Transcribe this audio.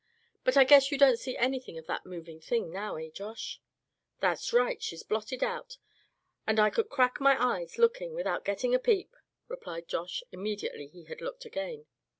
But I guess you don't see anything of that moving thing, now, eh, Josh?" "That's right, she's blotted out; and I could crack my eyes lookin' without getting a peep," replied Josh, immediately he had looked again.